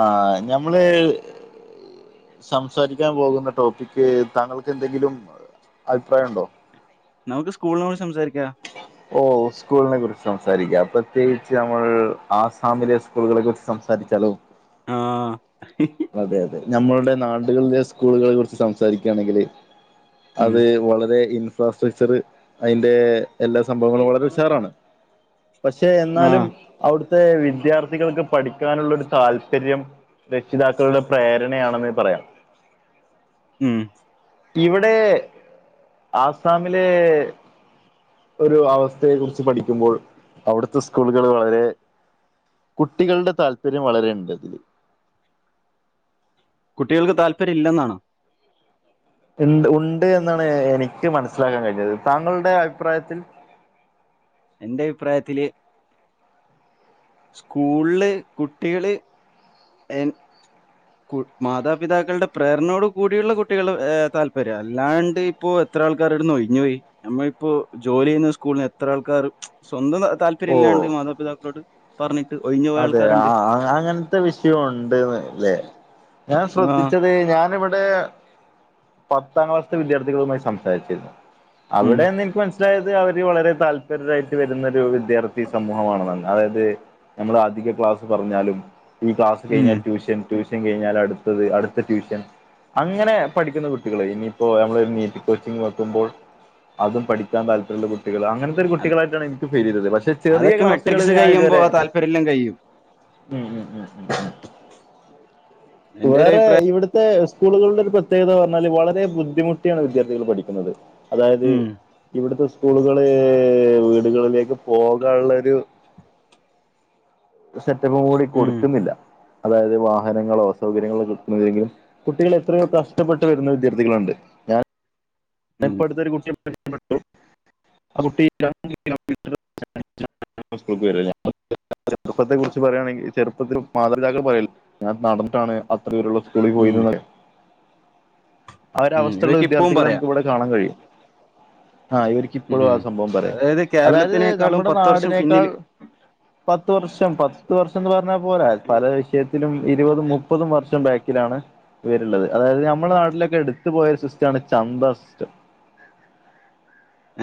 ആഹ് ഞമ്മള് സംസാരിക്കാൻ പോകുന്ന ടോപ്പി ക് താങ്കൾക്ക് എന്തെങ്കിലും അഭിപ്രായം ഉണ്ടോ നമുക്ക് സ്കൂളിനെക്കുറിച്ച് സംസാരിക്കാം ഓഹ് സ്കൂളിനെ കുറിച്ച് സംസാരിക്കാം പ്രത്യേകിച്ച് നമ്മൾ ആസാമിലെ സ്കൂളുകളെ കുറിച്ച് സംസാരിച്ചാലോ ആഹ് അതെ അതെ ഞമ്മളുടെ നാടുകളിലെ സ്കൂളുകളെ കുറിച്ച് സംസാരിക്കയാണെങ്കിൽ ഉം. അത് വളരെ ഇൻഫ്രാസ്ട്രക്ചർ അയ്ന്റെ എല്ലാ സംഭവങ്ങളും വളരെ ഉഷാറാണ് പക്ഷെ ആ എന്നാലും അവിടുത്തെ വിദ്യാർത്ഥികൾക്ക് പഠിക്കാനുള്ള ഒരു താല്പര്യം രക്ഷിതാക്കളുടെ പ്രേരണയാണെന്ന് പറയാം ഉം ഇവിടെ ആസാമിലെ ഒരു അവസ്ഥയെ കുറിച്ച് പഠിക്കുമ്പോൾ അവിടുത്തെ സ്കൂളുകൾ വളരെ കുട്ടികളുടെ താല്പര്യം വളരെണ്ട് അതില് കുട്ടികൾക്ക് താല്പര്യം ഇല്ലെന്നാണോ ഇണ് ഉണ്ട് എന്നാണ് എനിക്ക് മനസ്സിലാക്കാൻ കഴിഞ്ഞത് താങ്കളുടെ അഭിപ്രായത്തിൽ എന്റെ അഭിപ്രായത്തില് സ്കൂളില് കുട്ടികള് എന് കു മാതാപിതാക്കളുടെ പ്രേരണയോടുകൂടിയുള്ള കുട്ടികള്ടെ താല്പര്യം അല്ലാണ്ട് ഇപ്പോ എത്ര ആൾക്കാർ ഇടുന്ന് ഒഴിഞ്ഞോയി നമ്മളിപ്പോ ജോലി ചെയ്യുന്ന സ്കൂളില് എത്ര കാറ് സ്വന്തം താല്പര്യം ഓ ഇല്ലാണ്ട് മാതാപിതാക്കളോട് പറഞ്ഞിട്ട് ഒഴിഞ്ഞു പോയ അതെ ആൾക്കാരുണ്ട് ആഹ് അങ്ങന് ത്തെ വിഷയം ഉണ്ട്ന്ന്ല്ലേ ഞാൻ ആ ശ്രദ്ധിച്ചത് ഞാനിവിടെ പത്താം ക്ലാസിത്തെ വിദ്യാർത്ഥികളുമായി സംസാരിച്ചിരുന്നു ഉം അവിടെ ന്ന് ൻക് മനസ്സിൽ സിലയത് അവര് വളരെ താല്പര്യരായിട്ട് വരുന്ന ഒരു വിദ്യാർത്ഥി സമൂഹമാണ് നന്ന് അതായത് നമ്മുടെ അധിക ക്ലാസ്സ് പറഞ്ഞാലും ഈ ക്ലാസ് ഉം കഴിഞ്ഞാൽ ട്യൂഷൻ ട്യൂഷൻ കഴിഞ്ഞാൽ അടുത്തത് അടുത്ത ട്യൂഷൻ അങ്ങനെ പഠിക്കുന്ന കുട്ടികള് ഇനിയിപ്പോ നമ്മള് നീറ്റ് കോച്ചിങ് വെക്കുമ്പോൾ അതും പഠിക്കാൻ താല്പര്യ ഉള്ള കുട്ടികൾ അങ്ങൻ തെര് അത് കുട്ടികളായിട്ടാണ് എനിക്ക് ഫീൽ ചെയ്തത് പക്ഷെ ചെറിയ ക്ലാസുകളി ഞാന് ഇതുവരെ രെല്ലാം കഴിയു ഉം ഉം ഉം ഉം ഉം എന്റെ ഒരു വേറെ അഭിപ്രായം ഇവിട് തെ സ്കൂളുകളുടെ ഒരു പ്രത്യേകത പറഞ്ഞാല് വളരെ ബുദ്ധിമുട്ടിയാണ് വിദ്യാർഥികൾ പഠിക്കുന്നത് അതായത് ഉം ഇവിടുത്തെ സ്കൂളുകള് വീടുകളിലേക്ക് പോകാള്ളൊരു സെറ്റപ്പും കൂടി ഉം കൊടുക്കുന്നില്ല അതായത് വാഹനങ്ങളോ സ് സൗകര്യങ്ങളൊക്കെ കിട്ടുന്നില്ലേങ്കിലും കുട്ടികൾ എത്രയോ കഷ്ടപ്പെട്ട് വരുന്ന വിദ്യാർത്ഥികളുണ്ട് ഞൻ ഉം ഇപ്പ അടുത്തെരു കുട്ടി [inaudible] ആ കുട്ടി [inaudible] [inaudible] ചെറ്പ്പത്തെ കുറിച്ച് പറയാണെങ്കിൽ ചെറുപ്പത്തില് മാതാപിതാക്കൾ പറയല്ലേ ഞാൻ നടന്നിട്ടാണ് അത്രേരു സ്കൂളി ഉം പോയിന്ന്ന്നറ്യോ ആഹ് ഉം ഒരവസ്ഥള്ള ഇവർക്ക് ഇപ്പവും വിദ്യാർത്ഥികളെ പറയാം നമുക്ക് ഇവടെ കാണാൻ കഴിയും ആഹ് ഇവര് ക്കിപ്പളും ആ ഉം സംഭവം പറയാ അതായത് അതായത് കേരളത്തിനേക്കാളും നമ്മടെ പത്ത് വർഷം നാടിനേക്കാൾ പിന്നില് പത്ത് വർഷം പത്തു വർഷന്ന് പറഞ്ഞാ പോരാ പല വിഷയത്തിലും ഇരുപതും മുപ്പതും വർഷം ബേക്കിലാണ് വര്ണത് അതായത് നമ്മളെ നാട്ടിലൊക്കെ എട്ത്ത് പോയൊരു സിസ്റ്റാണ് ചന്താ സിസ്റ്റം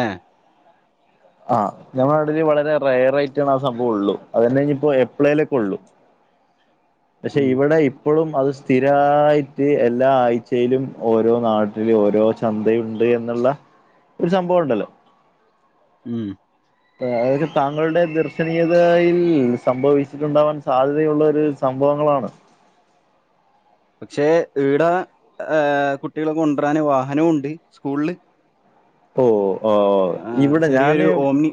ഏഹ് ആഹ് ഞമ്മടെ നാട്ടിൽ വളരെ റെയറായിട്ടാണ് ആ സംഭവൊള്ളു അതന്നെ ഇഞ്ഞ്പ്പോ എപ്പളേലൊക്കെ ഒള്ളു പക്ഷെ ഉം ഇവടെ ഇപ്പളും അത് സ്ഥിരായിട്ട് എല്ലാ ആഴ്ചയിലും ഓരോ നാട്ടില് ഓരോ ചന്തയുണ്ട് എന്ന്ള്ള ഒരു സംഭവം ഉണ്ടല്ലോ ഉം അതായത് താങ്കളുടെ ദർശനീയതയിൽ സംഭവിച്ചിട്ടുണ്ടാവാൻ സാധ്യതയുള്ളൊരു സംഭവങ്ങളാണ് പക്ഷേ ഈടെ കുട്ടികളെ കൊണ്ടരാന് വാഹനും ഉണ്ട് സ്കൂള്ല് ഓഹ് ഓഹ് ആഹ് ഇവടെ ചെറിയൊരു ഞാന് ഓമ്നി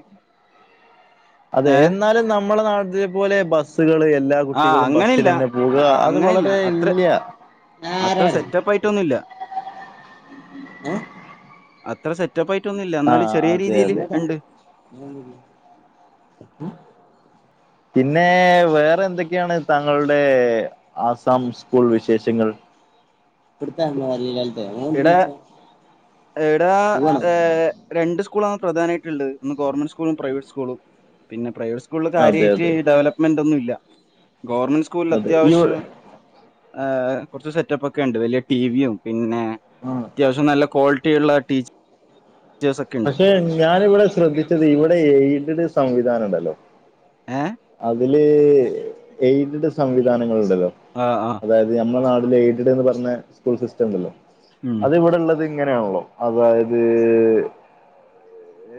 അതെ ഏഹ് എന്നാലും നമ്മളെ നാട്ടിലെപോലെ ബസ്സ്‌കള് എല്ലാ ആഹ് കുട്ടികളും അങ്ങനെയില്ല ബസിലെന്നെ ആ പോകാ അത് അങ്ങനെയില്ല വളരെ അത്ര ഇല്ല്യാ അത്ര സെറ്റപ്പായിട്ടൊന്നുല്ല ഏ അത്ര സെറ്റപ്പ് ആയിട്ടൊന്നില്ല എന്നാല് ആഹ് ചെറിയ അതെ രീതില് അതെ ഇണ്ട് [unintelligible] പിന്നെ വേറെ എന്തേക്ക്യാണ് താങ്കളുടെ ആസാം സ്കൂൾ വിശേഷങ്ങൾ ഇവട്ത്തെ [unintelligible] ഈടെ ഈടെ പോവാണ് ഏഹ് രണ്ട് സ്കൂളാണ് പ്രധാനായിട്ട്ള്ളേ ഒന്ന് ഗവൺമെന്റ് സ്കൂളും പ്രൈവറ്റ് സ്കൂളും പിന്നെ പ്രൈവറ്റ്സ് സ്കൂള്ല് അതെ കാര്യായിട്ട് അതെ ഡെവലപ്മെന്റ് ഒന്നുല്ല ഗവൺമെന്റ് സ്കൂള്ല് അതെ ഇവ അത്യാവശ്യം ഏ കൊറച്ച് സെറ്റപ്പൊക്കെ ഇണ്ട് വല്യ ടിവിയും പിന്നെ ആഹ് അത്യാവശ്യം നല്ല ക്വാളിറ്റിയുള്ള ടീ പക്ഷെ ഞാനിവിടെ ശ്രദ്ധിച്ചത് ഇവിടെ എയ്ഡഡ് സംവിധാനണ്ടല്ലോ ഏഹ് അതില് എയ്ഡഡ് സംവിധാനങ്ങള്ണ്ടല്ലോ ആഹ് ആഹ് അതായത് നമ്മളെ നാട്ടില് എയ്ഡഡ്ന്ന് പറഞ്ഞ സ്കൂള് സിസ്റ്റണ്ടല്ലോ ഉം അത് ഇവിടെള്ളത് ഇങ്ങനെയാണല്ലോ അതായത്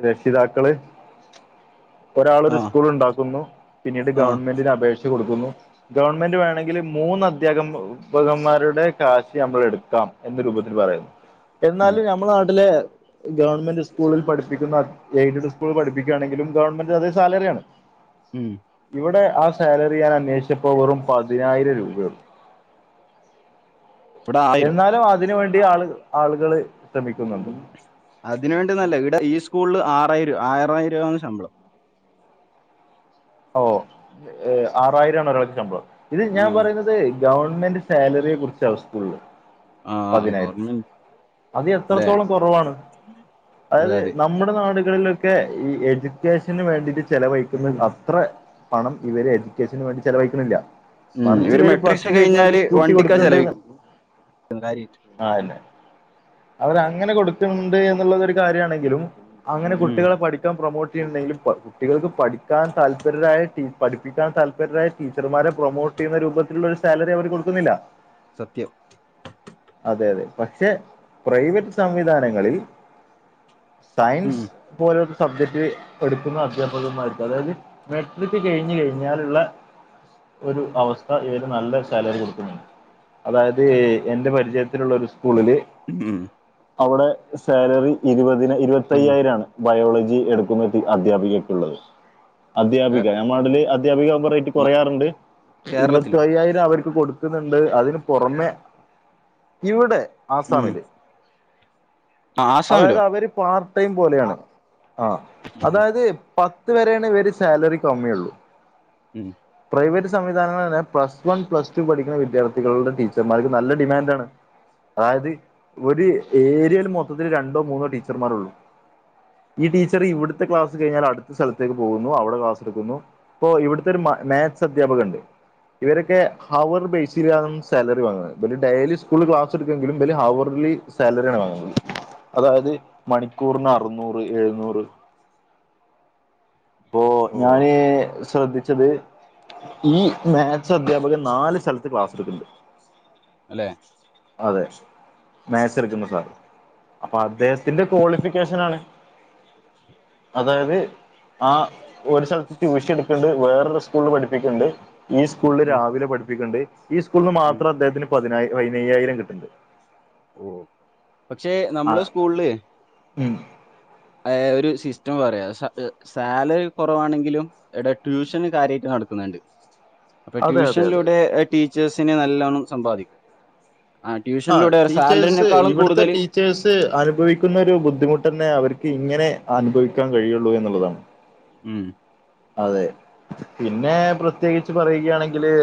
രക്ഷിതാക്കള് ഒരാളൊരു ആഹ് സ്കൂള് ഇണ്ടാക്കുന്നു പിന്നീട് ആഹ് ഗവൺമെന്റിന് അപേക്ഷ കൊടുക്കുന്നു ഗവൺമെന്റ് വേണെങ്കില് മൂന്ന് അദ്ധ്യാഗബം പകന്മാരുടെ കാശ് നമ്മളെട്ക്കാം എന്ന രൂപത്തില് പറയും ഉം എന്നാലും ഞമ്മളെ നാട്ടില് ഗവൺമെന്റ് സ്കൂളിൽ പഠിപ്പിക്കുന്ന എയ്ഡ് സ്കൂള് പഠിപ്പിക്കാണെങ്കിലും ഗവൺമെന്റ് അതേ സാലറ്യാണ് ഉം ഇവിടെ ആ സാലറി ഞാൻ അന്വേഷിച്ചപ്പോ വെറും പതിനായിരം രൂപയൊള്ളു ഇവിടെ ആയിരം എന്നാലും അതിന് വേണ്ടി ആൾ ആളുകള് ശ്രമിക്കുന്നുണ്ട് അതിനുവേണ്ടിന്നല്ല ഇടെ ഈ സ്കൂള്ല് ആറായിരു ആറായിരാണ് ശമ്പളം ഓഹ് ആറായിരാണ് ഒരാള്ക്ക്‌ ശമ്പളം ഇത് ഞാൻ ആഹ് പറയ്ന്നത് ഗവൺമെന്റ് സാലറിയെ കുറിച്ചാണ് സ്കൂള്ല് ആഹ് പതിനായിരം ഗവൺമെന്റ് അത് അല്ലെ എത്രത്തോളം കൊറവാണ് അതെ അതായത് അതെ നമ്മ നമ്മുടെ നാടുകളിലൊക്കെ ഈ എജൂക്കേഷന് വേണ്ടിട്ട് ചെലവഴിക്കുന്ന അ അത്ര പണം ഇവര് എ ജൂക്കേഷന് വേണ്ടി ചലവഴിക്കുന്നില്ല ഉം മറച്ച് ഇവര് പേര് മെട്രിക്സ് ഫസ്റ്റ് ജയിക്ക്ണോൽക്ക് കഴിഞ്ഞാല് സ്കൂട്ടി വണ്ടിക്കാ കൊടുക്കണ്ട് ചെലവഴിക്കുന്നത് കാര്യായിട്ട് ആന്നെ അവര് അങ്ങനെ കൊടുക്കണ്ട് എന്നുള്ളത് ഒരു കാര്യണെങ്കിലും അങ്ങനെ ഉം കുട്ടികെ പഠിക്കാൻ പ്രൊമോട്ട് ചെയ്യുന്നുണ്ടെങ്കിൽ കുട്ടികൾക്ക് പഠിക്കാൻ താല് താല്പര്യര പഠിപ്പിക്കാൻ താല്പര്യരായി ടീച്ചർമാരെ പ്രൊമോട്ട് ചെയ്യുന്ന രൂപത്തിലുള്ള ഒരു സാലറി അവർ കൊടുക്കുന്നില്ല സത്യം അതെ അതെ പക്ഷെ പ്രൈവറ്റ് സംവിധാനങ്ങളിൽ ഉം സയൻസ് പോലത്തെ സബ്ജക്ട് പഠിക്കുന്ന അധ്യാപകമാർക്ക് അതായത് മെട്രിക്ക് കഴിഞ്ഞഞ് കഴിഞ്ഞാലുള്ള ഒരു അവസ്ഥ ഇവര് നല്ല സാലറി കൊടുക്കുന്നുണ്ട് അതായത് എന്റെ പരിചയത്തിലുള്ള ഒരു സ്കൂളില് ഉം അവിടെ സാലറി ഇരുപതി ഉം ഇരുപത്തയ്യായിരാണ് ബയോളജി എടുക്കുന്ന അധ്യാപികയ്ക്കുള്ളത് അധ്യാപിക ഏഹ് ഞമ്മ നാട്ടില് അധ്യാപികകുമ്പ റേറ്റ് കുറയാറുണ്ട് ഇരുപത്തി കേരളത്തിലോ അയ്യായിരം അവർക്ക് കൊടു ന്നുണ്ട് അതിന് പുറമെ ഇവിടെ ഉം ആസാമില് ആ, ആസാമിലോ അതായതവര് പാർട്ട് ടൈം പോലെയാണ് ആഹ് ഉം അതായത് പത്ത് വെരേണ് വര് സേലറി കമ്മ്യൊള്ളു ഉം പ്രൈവറ്റ് സംവിധാനങ്ങളെന്നെ പ്ലസ് വൺ പ്ലസ് ടു പഠിക്ക്ണ വിദ്യാർത്ഥികളുടെ ടീച്ചർമാർക്ക് നല്ല ഡിമേൻഡാണ് അതായത് ഒരു ഏര്യാല് മൊത്തത്തിൽ രണ്ടോ മൂന്നോ ടീച്ചർമാരൊള്ളു ഈ ടീച്ചർ ഇവ്ട്ത്തെ ക്ലാസ് കഴ്ഞ്ഞാലടുത്ത സ്ഥല്ത്തേക്ക് പോകു അവിടെ ക്ലാസ് എടുക്കുന്നു ഇപ്പൊ ഇവിടുത്തെ ഒരു മാത്സ് അധ്യാപക ഉണ്ട് ഇവരൊക്കെ ഹവർ ബെയ്സിലാണ് സേലറി വാങ്ങ്ന്നത് പ്പൊരു ഡെയിലി സ്കൂളിൽ ക്ലാസ്ട്ക്കെങ്കിലും ഇവൽ ഹവർൽ സേലറി വാങ്ങുന്നത് അതായത് മണിക്കൂർന് അറ്ന്നൂറ് എഴ്ന്നൂറ് പ്പോ ഓ ഞാന് ശ്രെദ്ധിച്ചത് ഈ മേത്സ് അധ്യാപകൻ നാല് സ്ഥല്ത്ത് ക്ലാസ്ട്ക്ക്ണ്ട് ല്ലേ അതെ മേത്സെട്ക്ക്ന്ന സാറ് അപ്പൊ അദ്ദേഹത്തിന്റെ ക്വാളിഫിക്കേഷനാണ് അതായത് ആഹ് ഒരു സ്ഥല്ത്ത് ട്യൂഷൻട്ക്ക്ണ്ട് വേറൊരു സ്കൂള്ൽ പഠ്പ്പിക്ക്ണ്ട് ഈ സ്കൂളില് ഉം രാവിലെ പഠ്പ്പിക്ക്ണ്ട് ഈ സ്കൂൾന്ന് ഉം മാത്രദ്ദേഹത്തിന് പതിനായ് പയ്നെയ്യായിരം കിട്ട്ണ്ട് ഓഹ് പക്ഷെ ആ നമ്മളെ സ്കൂൾൽ ഉം ഏഹ് ഒരു സിസ്റ്റം വേറെയാ സ സേലറി കൊറവാണെങ്കിലും എടെ ട്യൂഷന് കാര്യായ്ട്ട് നടക്ക്ണ് ണ്ട് അപ്പ അതെ അതെ അതെ ട്യൂഷന്ലൂടെ ടീച്ചേഴ്സിന് നല്ലൊണം സമ്പാദിക്ക ആ ട്യൂഷന്ലൂടവ ച്ചേഴ്സ് ഇവെട്ത്തെ ടീ ച്ചേഴസ് അനുഭവിക്കുന്നൊരു ബുദ്ധിമുട്ടെന്നെ അവർക്ക് ഇങ്ങനെ അനുഭവിക്കാൻ കഴിയൊള്ളൂ എന്നുള്ളതാണ് ഉം അതെ പിന്നെ പ്രത്യേകിച്ച് പറയുകയാണെങ്കില്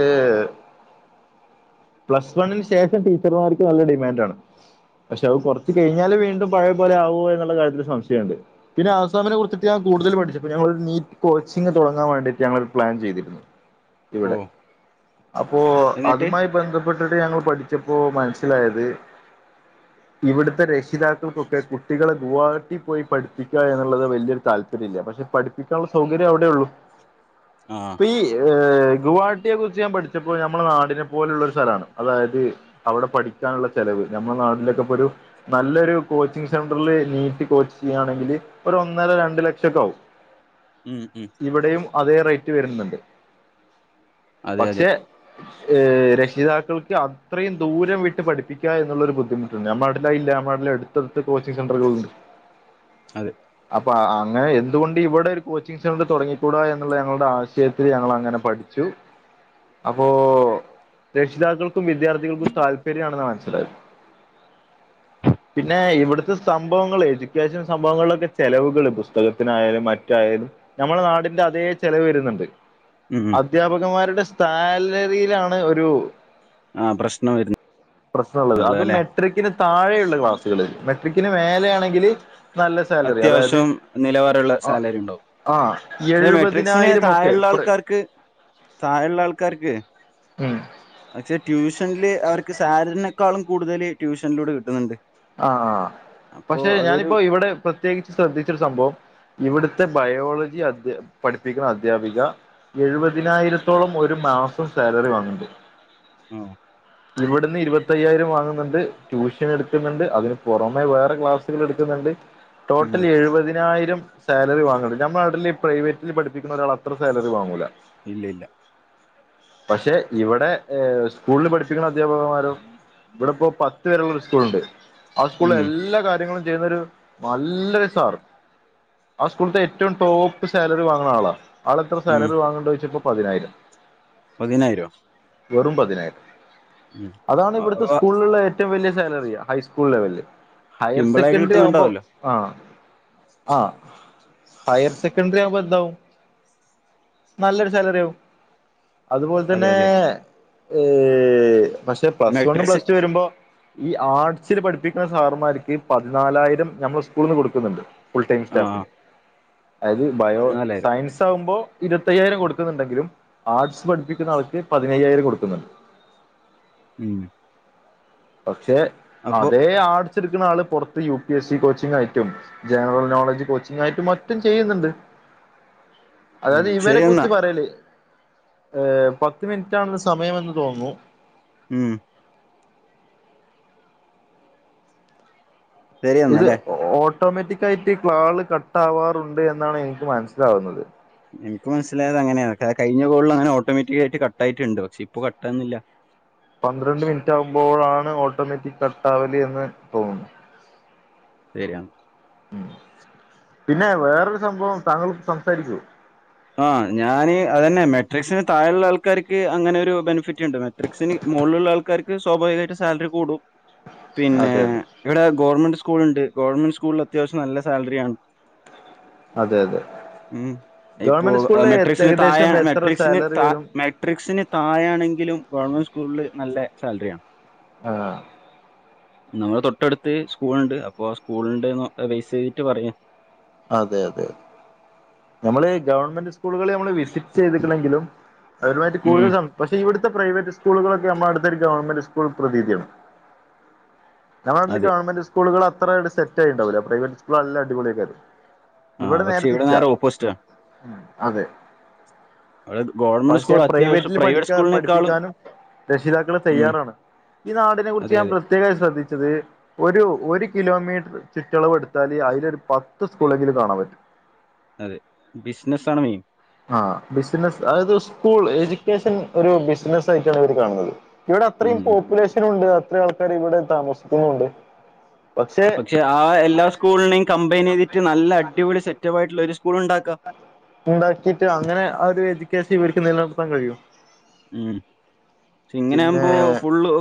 പ്ലസ് വണ്ണിന്ന് ശേഷം ടീച്ചർമാർക്ക് നല്ല ഡിമേൻഡാണ് പക്ഷെവ കൊറ്ച്ച് കഴിഞ്ഞാൽ വീണ്ടും പഴേ പോലെ ആവോ എന്ന്ള്ള കാര്യത്തിൽ സംശയണ്ട് പിന്നെ ആസാമിനെ കുർച്ചിട്ട് ഞാൻ കൂടുതൽ പഠ്ച്ചപ്പം ഞാൻ നീ കോച്ചിങ് തൊടങ്ങാൻ വേണ്ടീട്ട് ഞങ്ങളൊര് പ്ലേൻ ചെയ്തിരുന്നു ഓ ഇവ്ടെ അപ്പോ എന്നിട്ട് അതുമായി ബന്ധപ്പെ പ്പെട്ട്ട്ട് ഞങ്ങൾ പഠ്ച്ചപ്പോ മന്സ്സിലായത് ഇവിടുത്തെ രക്ഷിതാക്കൾക്കൊക്കെ കുട്ടികളെ ഗുവാഹട്ടി പോയി പഠിപ്പിക്കുക എന്നുള്ളത് വലിയൊരു താല്പര്യം ര്ത് ല്ല പക്ഷെ പഠിപ്പിക്കാന്ള്ള സൗകര്യവ്ടൊള്ളൂ ആഹ് പ്പീ ഹ് ഗുവാഹട്ടിയെ കുറിച്ച് ഞാൻ പഠ്ച്ചപ്പോ നമ്മളെ നാടിനെ പോലുള്ളൊരു സ്ഥലാണ്. അതായത് അവിടെ പഠിക്കാന്ള്ള ചെലവ് നമ്മളെ നാട്ട്ലെക്കെപ്പൊരു നല്ലൊരു കോച്ചിങ്ങ് സെന്ററിൽ നീറ്റ് കോച്ച് ചെയ്യാണെങ്കില് ഒരന്നര രണ്ട് ലക്ഷക്കാവും. ഉം ഉം ഇവടെയും അതേ റൈറ്റ് വര്ന്ന്ണ്ട് അതെ അതെ പക്ഷെ ഏഹ് രക്ഷിതാക്കൾക്ക് അത്രെയും ദൂരം വിട്ട് പഠിപ്പിക്കുക എന്നുള്ളൊരു ബുദ്ധിമുട്ട്ണ്ട് ഞമ്മളാട്ട്ലയ്ല്ല നമ്മളാട്ടിൽ എട് തെട്ത്ത് കോച്ചിങ് സെന്ററുകളുണ്ട് അതെ അപ്പൊ അങ്ങനെ എന്തുകൊണ്ടിവിടെ കോച്ചിങ് സെന്റെർ തൊട്ങ്ങിക്കൂടാ എന്ന്ള്ള ഞങ്ങളുടെ ആശയത്തിൽ ഞങ്ങളങ്ങനെ പഠിച്ചു അപ്പോ രക്ഷിതാക്കൾക്കും വിദ്യാർത്ഥികൾക്കും താല്പര്യാണ്ന്നാ മന്സ്സിലായത് [inaudible] പിന്നെ ഇവുടുത്തെ സംഭവങ്ങൾ എഡ്യൂക്കേഷൻ സംഭവങ്ങളിലൊക്കെ ചെലവുകൾ പുസ്തകത്തിനായാലും മറ്റ റ്റായാലും നമ്മളെ നാടിന്റതേ ചെലവ് വരുന്ന്ണ്ട് ഉം ഉം അധ്യാപകന്മാരുടെ സാലറിയിലാണ് ഒരു ആ പ്രശ്നം പ്രശ്നള്ളത് വരുന്നേള്ളൂ അതും അല്ലെ മെ മെട്രിക്കിന് താഴെയുള്ള ക്ലാസ്സുകളിൽ മെട്രിക്കിന് മേലെയാണെങ്കിൽ നല്ല സേലറി അതായത് അത്യാവശ്യം നിലവാരമുള്ള ആഹ് സാലറി ഉണ്ടാവും ആഹ് പക്ഷെ മെട്രിക്സിന് എഴുപതിനായിരമൊക്കെ. താഴെയുള്ള പ്ര ആൾക്കാർക്ക് ഉം പക്ഷേ ട്യൂഷനില് അവർക്ക് സാലറിനെക്കാളും കൂടുതല് ട്യൂഷനിലൂടെ കിട്ടുന്നുണ്ട് ആ, അപ്പൊ പക്ഷെ അതൊരു ഞാനിപ്പോ ഇവിടെ പ്രത്യേകിച്ച് ശ്രദ്ധിച്ച രു സംഭവം. ഇവിടുത്തെ ബയോളജി അധ്യ പഠിപ്പിക്കുന്ന അദ്ധ്യാപിക എഴുപതിനായിരത്തോളം ഒരു മാസം സാലറി വാങ്ങ്ണ്ട്. ആഹ് ഇവിടുന്ന് ഇരുപത്തയ്യായിരം വാങ്ങുന്നുണ്ട്. ട്യൂഷന് ട് ക്കുന്നുണ്ട്. അതിന് പുറമ വേറെ ക്ലാസ്സുകൾ എടുക്കുന്നുണ്ട്. ഉം ടോട്ടൽ എഴുപതിനായിരം സാലറി വാങ്ങ്ണ്ണ്ട് ഞമ്മളെ നാട്ടില് പ്രൈവറ്റിൽ പഠിപ്പിക്കുന്ന ഒരാൾ അത്ര സാലറി വാങ്ങൂല. ഇല്ല ഇല്ല പക്ഷേ, ഇവടെ സ്കൂൾ പഠിപ്പ പ്പിക്ക്ണ അധ്യാപകന്മാരൊ ഇവിടെപ്പോ പത്ത് വരെള്ള ഒരു സ്കൂളുണ്ട്. ആ സ്കൂളില് ഉം എല്ലാ കാര്യങ്ങളും ചെയ്യുന്നൊരു നല്ലൊരു സാർ ആ സ്കൂളിൽത്തെ ഏറ്റവും ടോപ്പ് സാലറി വാങ്ങണ ആളാ. ആൾെഎത്ര ഉം സാലറി വാങ്ങണ്ട് ചോദിച്ചപ്പോ പതിനായിരം പതിനായിരൊ? വെറും പതിനായിരം അതാണ് ആ, ഇവിടുത്തെ ആ, സ്കൂളിലുള റ്റവും വലിയ സാലറി. ഹൈസ്കൂൾ ലെവലില് ഹയർ സിമ്പിളായിട്ട് സെക്കൻഡറി ആവുമ്പോ കിട്ടുന്നുണ്ടാവല്ലോ ആഹ് ആ ഹയർ സെക്കൻഡറി ആവുമ്പോ ന്താവും. നല്ലൊരു സാലറി ആവും, അതുപോലെ അതെ തന്നേ അതെ ഏഹ് പക്ഷെ പ്ലസ് വണ്ണും മാട്രിക്സ് പ്ലസ് ടു വരുമ്പോ ഈ ആർട്സ് സിനു പഠിപ്പിക്കുന്ന സാർമാർക്ക് പതിനാലായിരം ഞമ്മളെ സ്കൂളിന്ന് കൊടുക്കുന്നുണ്ട്. ഫുൾ ടൈം ആഹ് സ്റ്റാഫിന് അതയത് ബയോ പതിനാലായിരം സയൻസ് ആകുമ്പോ ഇരുപത്തയ്യായിരം കൊടുക്കുന്നുണ്ടെങ്കിലും ആർട്സ് പഠിപ്പിക്കുന്ന ആൾക്ക് പതിനയ്യായിരം കൊടുക്കുന്നുണ്ട്. ഉം പക്ഷേ അപ്പൊ അതേ ആർട്സ്ടുക്കുന്ന ആള് പുറത്ത് U P S C coaching ആയിട്ടും. ജനറൽ നോളേജ് കോച്ചിങ് ആയിട്ട് മറ്റും ചെയ്യുന്നുണ്ട്. ഉം അതായത് ഇവരെ കുറിച്ച് ശരിയെന്നാ പറയെല് ഏ പത്ത് മിനിറ്റാണ്സമയമന്ന് തോന്നുന്നു. ഉം ഇത് ശരിയെന്നാല്ലേ ഓട്ടോമാറ്റിക്കായിട്ട് കാൾ കട്ടാവാറുണ്ട് എന്നാണ് എനിക്ക് മനസ്സിലാവുന്നത്. എനിക്ക് മനസ്സിലായത് അങ്ങനെയെ കഴഞ്ഞ കോളിൽ അങ്ങനെ ഓട്ടോമാറ്റിക്കായിട്ട് കട്ടായിട്ടുണ്ട് പക്ഷെ ഇപ്പ കട്ടാവുന്നില്ല. പന്ത്രണ്ട് മിനിറ്റ് ആവുമ്പോഴാണ് ഓട്ടോമാറ്റിക് കട്ടാവല് എന്ന് തോന്നുന്നു. ശെരി ഉം, പിന്നെ വേറൊരു സംഭവം താങ്കൾ സംസാരിക്കു ആഹ് ഞാന് അതന്നെ മെട്രിക്സിന് താഴെയുള്ള ആൾക്കാർക്ക് അങ്ങനെ ഒരു ബെനിഫിറ്റ് കിട്ൺ റെക്സിന് മോള്ള്ള ആൾക്കാർക്ക് സ്വാഭാവികയിട്ട് സാലറി കൂടും പിന്നെ അതെ അതെ ഇവിടെ ഗോർമെന്റ് സ്കൂൾ ഉണ്ട് ഗോർമെന്റ് സ്കൂളിൽ അത്യാവശ്യം നല്ല സാലറിയാണ്. അതെ യതെ ഇപ്പോൾ മെട്രിക്സിന് തായ മെട്രിക്സിന് സാലറി താ വരും മെ ട്രിക്സിന് താഴാണെങ്കിലും ഗവൺമെന്റ് സ്കൂളിൽ നല്ല സാലറിയാണ്. ആഹ് നമ്മുടെ തൊട്ടടുത്ത് സ്കൂൾണ്ട് അപ്പൊ ആ സ്കൂലിണ്ടേ ബൈസ് യ്തിട്ട് പറയാ അതെ അതെ തനമ്മള് ഗവൺമെന്റ് സ് സ്കൂളുകള് നമ്മള് വിസിറ്റ് ചെയ്തിക്കനെങ്കിലും അവരുമായിട്ട് കൂടുതൽ ഉം ക പക്ഷെ ഇവിടുത്തെ പ്രൈവറ്റ് സ്കൂളുകളൊക്കെ നമ്മളവിടത്തെ ഒരു ഗവൺമെന്റ് സ്കൂൾ പ്രതീതിയാണ്. ഞങ്ങളെ നാട്ടില് അതെ ഗവണ്മെന്റ് സ്കൂളുകൾ അത്ര അങ്ങട് സെറ്റായിണ്ടാവൂല. പ്രൈവറ്റ്സ്കൂൾ നല്ല അടിപൊളിആക്കാരം ആ ഇവിടെ നേരെ പക്ഷെ തിരിച്ചാ, ഓപ്പോസിറ്റ് ആണ് അതെ അവിടെ ഗവൺമെന്റ് പക്ഷെ സ്കൂൾ അത്യാവശ്യം പ്രൈവറ്റില് പ്രൈവറ്റ് പഠിക്ക സ്കൂളിനേക്കാളും പഠിപ്പിക്കാനും. രക്ഷിതാക്കള് ഉം തയ്യാറാണ്. ഈ നാടിനെ കുറിച്ച് അതെ ഞാൻ അതെ പ്ര ത്യേകയി ശ്രദ്ധിച്ചത് ഒരു ഒരു കിലോമീറ്റർ ചുറ്റളവ് എടുത്താൽ അതിലൊരു പത്ത് ത്ത് സ്കൂളെങ്കിലും കാണൻ പറ്റും അതെ ബിസിനസ്സാണ് മെയിൻ ആഹ് ബിസിനസ് അതായത് സ്കൂൾ എജ്യൂക്കേഷൻ ഒരു ബിസിന ആയിട്ടാണ് ഇവര് കാണുന്നത് ഇവിടെ അത്രയും ഉം പോപ്പുലേഷൻ ഉണ്ട് അത്ര ആൾക്കാർ ഇവിടെ താമസിക്കുന്നുണ്ട് പക്ഷെ ആഹ് എല്ലാ സ്കൂളിനെയും കമ്പൈൻയ്തിട്ട് നല്ല അടിപൊളി സെറ്റപ്പ് ആയിട്ടുള്ള ഒരു സ്കൂൾ ഉണ്ടാക്കാ ഉണ്ടാക്കിട്ട് അങ്ങനെ ആ ഒരു എജുക്കേഷൻഇവർക്ക് നിലനിർത്താൻ കഴിയും ഉം ഷേഇങ്ങനെ പിന്നെ ആവുമ്പോ ഫുള്